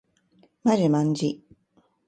まじまんじ